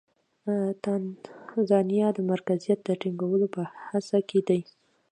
تانزانیا د مرکزیت د ټینګولو په هڅه کې دی.